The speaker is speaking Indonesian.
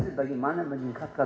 saya berinteres bagaimana